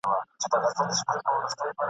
په یوه وخت کي په کعبه، په کور، جومات کي حاضر !.